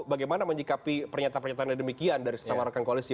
bagaimana menjikapi pernyataan pernyataannya demikian dari sesama rekan koalisi